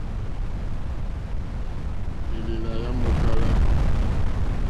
Élèlà yá mòkálá.